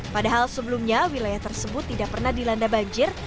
padahal sebelumnya wilayah tersebut tidak pernah dilanda banjir